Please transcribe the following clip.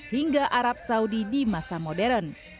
hingga arab saudi di masa modern